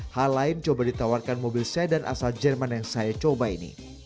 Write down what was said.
hal lain coba ditawarkan mobil sedan asal jerman yang saya coba ini